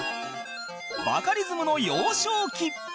バカリズムの幼少期